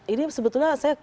ini sebetulnya saya